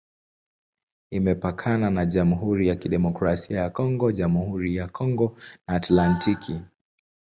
Imepakana na Jamhuri ya Kidemokrasia ya Kongo, Jamhuri ya Kongo na Atlantiki.